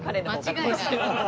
間違いない。